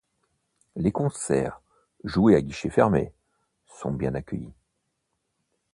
Les concerts, joués à guichet fermé, sont bien accueillis.